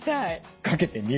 かけてみる。